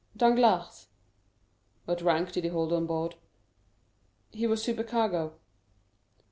"Danglars." "What rank did he hold on board?" "He was supercargo."